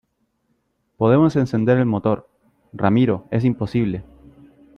podemos encender el motor . ramiro , es imposible .